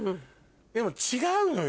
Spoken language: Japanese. でも違うのよ